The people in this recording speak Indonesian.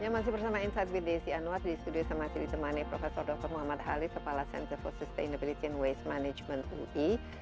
masih bersama insight with desi anwar di studio saya masih ditemani prof dr muhammad halid kepala center for sustainability and waste management ui